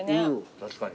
確かに。